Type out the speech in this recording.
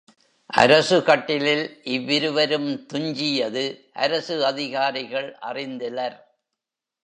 அரசுகட்டிலில் இவ்விருவரும் துஞ்சியது அரசு அதிகாரிகள் அறிந்திலர்.